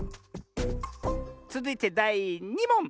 つづいてだい２もん！